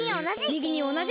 みぎにおなじ！